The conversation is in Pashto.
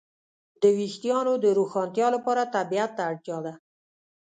د وېښتیانو د روښانتیا لپاره طبيعت ته اړتیا ده.